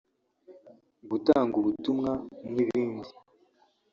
gutanga ubutumwa n’ibindi